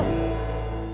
ehh reva tunggu